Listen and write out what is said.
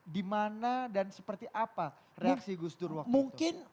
dimana dan seperti apa reaksi gus dur waktu itu